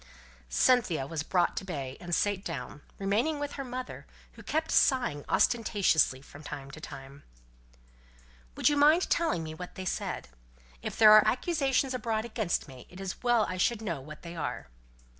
Cynthia was brought to bay, and sate down; remaining with her mother, who kept sighing ostentatiously from time to time. "Would you mind telling me what they said? If there are accusations abroad against me, it is as well I should know what they are.